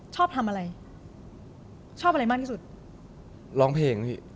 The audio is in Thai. ชอบทำอะไรชอบอะไรมากที่สุดร้องเพลงพี่